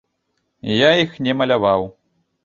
Я іх не маляваў.